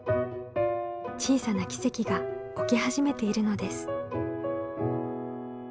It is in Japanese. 小さな奇跡が起き始めているのです。